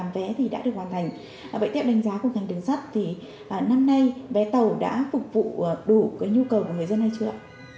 vậy tiếp đánh giá của ngành đường sắt thì năm nay vé tàu đã phục vụ đủ cái nhu cầu của người dân hay chưa ạ